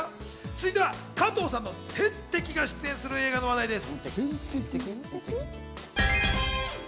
続いては加藤さんの天敵が出演する映画の話題です。